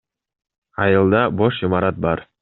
Айылда бош имарат бар.